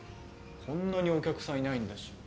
こんなにお客さんいないんだし。